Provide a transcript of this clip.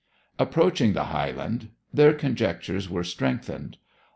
Approaching the high land their conjectures were strengthened.